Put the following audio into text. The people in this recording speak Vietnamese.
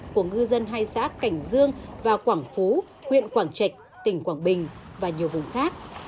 của ngư dân hai xã cảnh dương và quảng phú huyện quảng trạch tỉnh quảng bình và nhiều vùng khác